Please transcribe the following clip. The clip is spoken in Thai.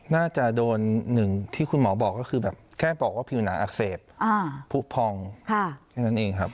น่าจะโดนหนึ่งที่คุณหมอบอกก็คือแบบแค่บอกว่าพิวนาอักเสบผู้พอง